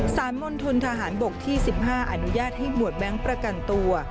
มณฑนทหารบกที่๑๕อนุญาตให้หมวดแบงค์ประกันตัว